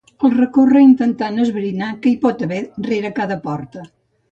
El recorre intentant esbrinar què hi pot haver rere cada porta.